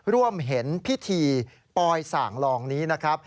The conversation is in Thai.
ร่วมเห็นพิธีปลอยส่างลองนี้นะครับ